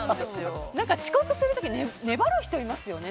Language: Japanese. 遅刻する時粘る人がいますよね。